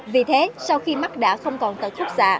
vì thế sau khi mắt đã không còn tật khúc xà